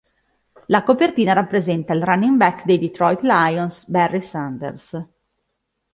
La copertina rappresenta il running back dei Detroit Lions "Barry Sanders.